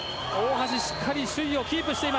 大橋、しっかり首位をキープしています。